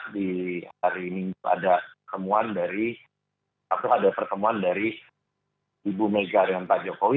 di hari ini ada pertemuan dari ibu mega dengan pak jokowi